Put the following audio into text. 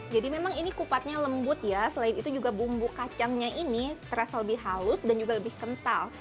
jadi memang ini kupatnya lembut ya selain itu juga bumbu kacangnya ini terasa lebih halus dan juga lebih kental